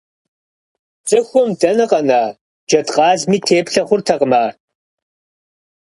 ЦӀыхум дэнэ къэна, джэдкъазми теплъэ хъуртэкъым ар!